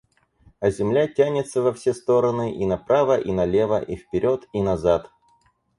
А земля тянется во все стороны, и направо, и налево, и вперед и назад.